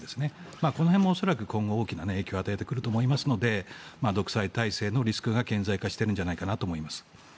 この辺も恐らく今後大きな影響を与えてくると思いますので独裁体制のリスクが顕在化してるんじゃないかなと思います。